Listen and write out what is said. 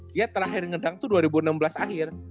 dia terakhir ngedang itu dua ribu enam belas akhir